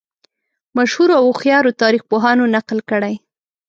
مشهورو او هوښیارو تاریخ پوهانو نقل کړې.